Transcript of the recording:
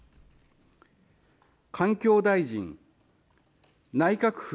環境大臣、内閣府